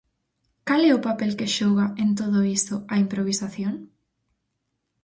Cal é o papel que xoga, en todo iso, a improvisación?